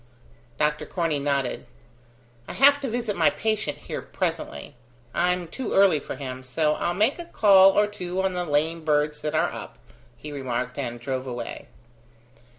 Dr Corney nodded. "I have to visit my patient here presently. I'm too early for him: so I'll make a call or two on the lame birds that are up," he remarked, and drove away.